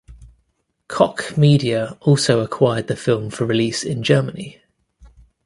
Koch Media also acquired the film for release in Germany.